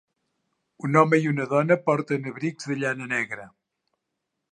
Un home i una dona porten abrics de llana negra.